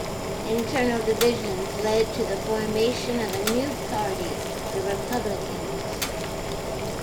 Internal divisions led to the formation of a new party, the Republicans.